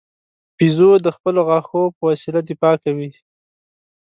بیزو د خپلو غاښو په وسیله دفاع کوي.